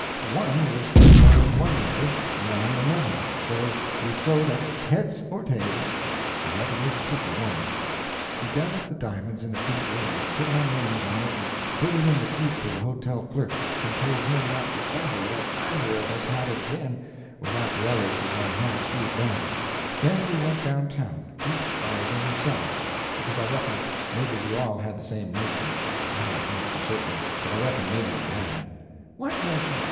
One was for going one way, one another, so we throwed up, heads or tails, and the Upper Mississippi won. We done up the di'monds in a paper and put our names on it and put it in the keep of the hotel clerk, and told him not to ever let either of us have it again without the others was on hand to see it done; then we went down town, each by his own self—because I reckon maybe we all had the same notion. I don't know for certain, but I reckon maybe we had." "What notion?"